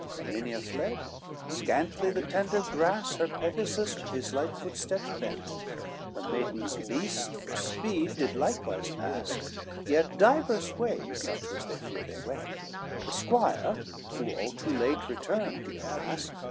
CXI Erminia fled, scantly the tender grass Her Pegasus with his light footsteps bent, Her maiden's beast for speed did likewise pass; Yet divers ways, such was their fear, they went: The squire who all too late returned, alas.